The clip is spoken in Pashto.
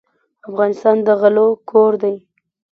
افغانستان د غلو کور دی.